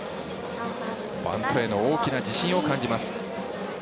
バントへの大きな自信を感じます。